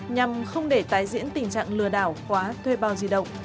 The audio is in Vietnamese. nhằm không để tái diễn tình trạng lừa đảo khóa thuê bao di động